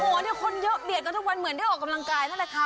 โอ้โหเนี่ยคนเยอะเบียดกันทุกวันเหมือนได้ออกกำลังกายนั่นแหละค่ะ